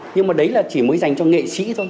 nhưng mà đấy là chỉ mới dành cho nghệ sĩ thôi